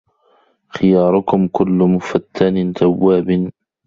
خِيَارُكُمْ كُلُّ مُفَتَّنٍ تَوَّابٍ